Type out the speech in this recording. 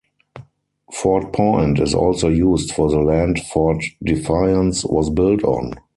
Fort Point is also used for the land Fort Defiance was built on.